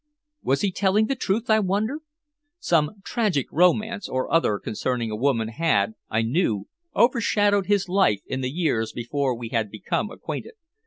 Was he telling the truth, I wondered? Some tragic romance or other concerning a woman had, I knew, overshadowed his life in the years before we had become acquainted.